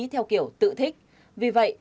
theo kiểu tự thích vì vậy